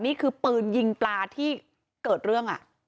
นี่คือปืนยิงปลาที่เกิดเรื่อง